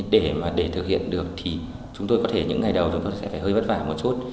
để mà để thực hiện được thì chúng tôi có thể những ngày đầu chúng tôi sẽ phải hơi vất vả một chút